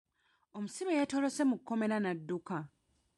Omusibe yatolose mu kkomera n'adduka.